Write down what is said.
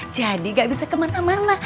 jadi gak bisa kemana mana